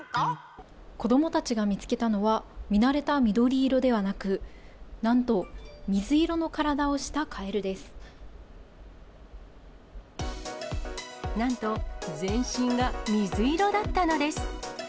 子どもたちが見つけたのは、見慣れた緑色ではなく、なんと、なんと、全身が水色だったのです。